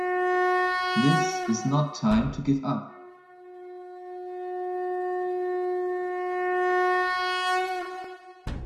This is no time to give up!